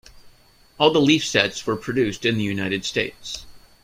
All the Leaf sets were produced in the United States.